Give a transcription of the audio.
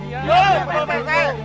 iya pak rt